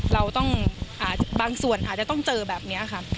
เราต้องบางส่วนอาจจะต้องเจอแบบนี้ค่ะ